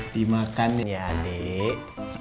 dimakan ya dek